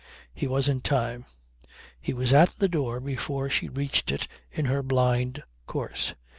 He was in time. He was at the door before she reached it in her blind course.